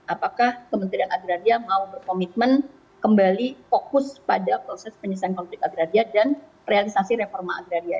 apakah kementerian agraria mau berkomitmen kembali fokus pada proses penyelesaian konflik agraria dan realisasi reforma agraria